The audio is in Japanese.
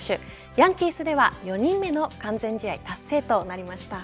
ヤンキースでは４人目の完全試合達成となりました。